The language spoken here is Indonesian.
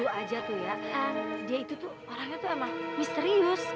lu aja tuh ya dia itu tuh orangnya tuh emang misterius